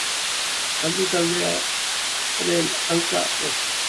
Zaldi taldearen hanka hotsa.